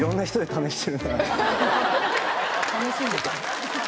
楽しんでた。